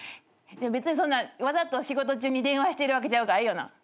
別にそんなわざと仕事中に電話してるわけちゃうからええよな。